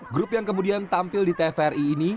grup yang kemudian tampil di tvri ini